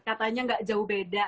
katanya gak jauh beda